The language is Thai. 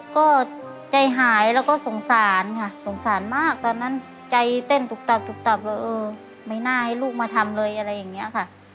ก็ใจหายแล้วก็สงสารค่ะสงสารมากตอนนั้นใจเต้นตุกตับตุบตับแล้วเออไม่น่าให้ลูกมาทำเลยอะไรอย่างนี้ค่ะ